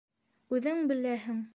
Үҙең беләһең...